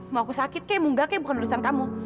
mau aku sakit kek mau gak kek bukan urusan kamu